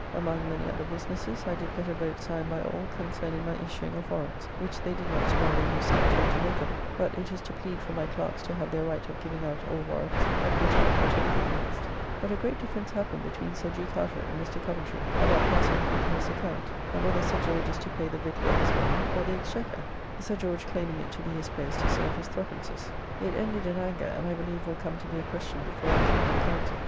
Among many other businesses, I did get a vote signed by all, concerning my issuing of warrants, which they did not smell the use I intend to make of it; but it is to plead for my clerks to have their right of giving out all warrants, at which I am not a little pleased. But a great difference happened between Sir G. Carteret and Mr. Coventry, about passing the Victualler's account, and whether Sir George is to pay the Victualler his money, or the Exchequer; Sir George claiming it to be his place to save his threepences. It ended in anger, and I believe will come to be a question before the King and Council.